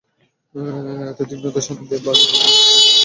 এতে দিকনির্দেশনা দেয় বাঘিরা নামের চিতা এবং মুক্ত আত্মার অধিকারী ভালুক বালু।